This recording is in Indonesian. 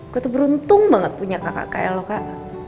gue tuh beruntung banget punya kakak kayak lo kak